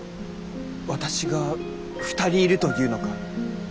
私が２人いるというのか。